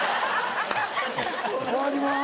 終わります。